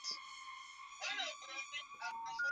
Ugonjwa huu huathiri hasa ng'ombe